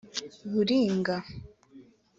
Bulinga